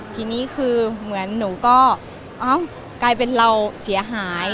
ทีนี้คือเหมือนหนูก็เอ้ากลายเป็นเราเสียหาย